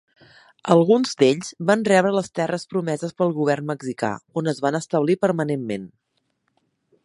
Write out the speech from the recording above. Alguns d'ells van rebre les terres promeses pel govern mexicà, on es van establir permanentment.